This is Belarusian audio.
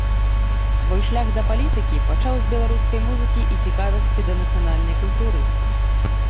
Свой шлях да палітыкі пачаў з беларускай музыкі і цікавасці да нацыянальнай культуры.